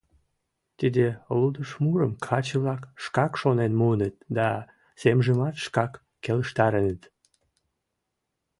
Тиде лудышмурым каче-влак шкак шонен муыныт да семжымат шкак келыштареныт.